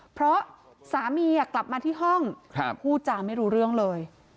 เพราะสามีกลับมาที่ห้องพูดจาไม่รู้เรื่องเลย